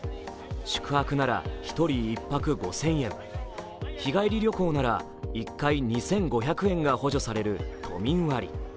宿泊なら１人１泊５０００円日帰り旅行なら１回２５００円が補助される都民割。